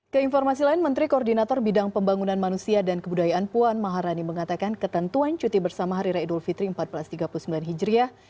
keinformasi lain menteri koordinator bidang pembangunan manusia dan kebudayaan puan maharani mengatakan ketentuan cuti bersama hari raya idul fitri seribu empat ratus tiga puluh sembilan hijriah